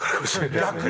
逆に？